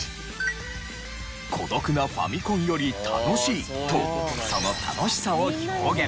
「孤独なファミコンより楽しい」とその楽しさを表現。